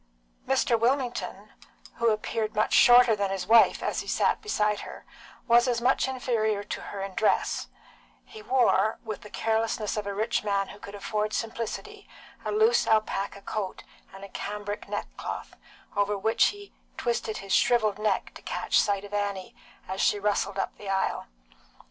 Mr. Wilmington, who appeared much shorter than his wife as he sat beside her, was as much inferior to her in dress; he wore, with the carelessness of a rich man who could afford simplicity, a loose alpaca coat and a cambric neckcloth, over which he twisted his shrivelled neck to catch sight of Annie, as she rustled up the aisle.